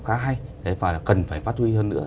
khá hay và cần phải phát huy hơn nữa